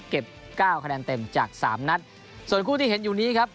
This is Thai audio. เก้าคะแนนเต็มจากสามนัดส่วนคู่ที่เห็นอยู่นี้ครับ